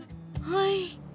はい。